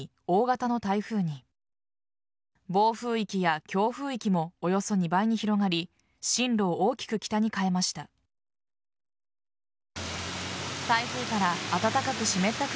暴風域や強風域もおよそ２倍に広がり進路を大きく北に変えました。